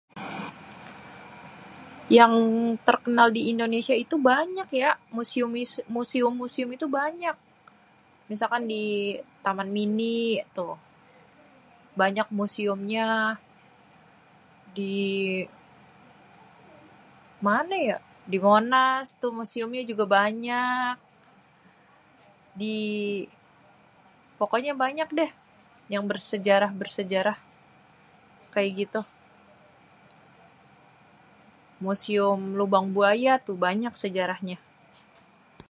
Yang terkenal di Indonesia itu banyak ya musium-musium itu banyak, misalkan di Taman Mini tu banyak musiumnya, di mane ya di monas tuh juga muisumnya juga banyak, di pokoknye banyak deh yang bersejarah sejarah kaya gitu. Musium lubang buaya tuh banyak sejarehnyé.